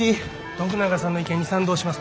徳永さんの意見に賛同します。